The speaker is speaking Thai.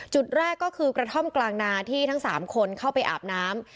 จุดแรกก็คือกระท่อมกลางนาที่ทั้ง๓คนเข้าไปอาบน้ำ